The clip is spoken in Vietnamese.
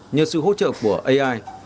nhờ sự hỗ trợ của ai